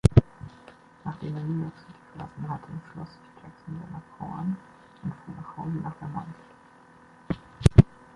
Nachdem er New York City verlassen hatte, schloss sich Jackson seiner Frau an und fuhr nach Hause nach Vermont.